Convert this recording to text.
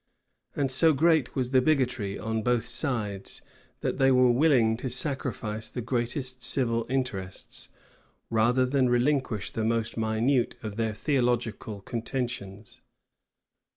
And so great was the bigotry on both sides, that they were willing to sacrifice the greatest civil interests, rather than relinquish the most minute of their theological contentions.